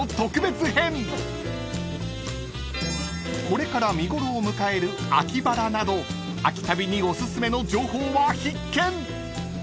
［これから見頃を迎える秋バラなど秋旅におすすめの情報は必見］